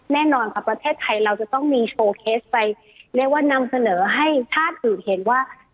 แน่นอนค่ะประเทศไทยเราจะต้องมีโชว์เคสไปเรียกว่านำเสนอให้ชาติอื่นเห็นว่า